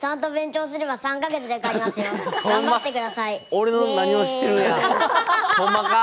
俺の何を知ってるんや、ホンマか？